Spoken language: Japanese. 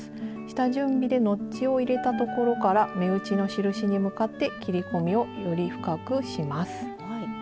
下準備でノッチを入れたところから目打ちの印に向かって切り込みをより深くします。